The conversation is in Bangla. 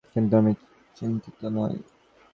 কিন্তু আমি চিন্তিত নই।